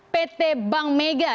pt bank mega